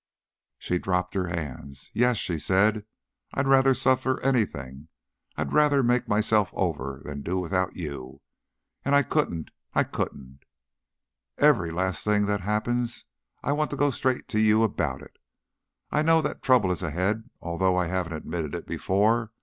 She dropped her hands. "Yes," she said, "I'd rather suffer anything; I'd rather make myself over than do without you. And I couldn't! I couldn't! Every least thing that happens, I want to go straight to you about it. I know that trouble is ahead, although I haven't admitted it before.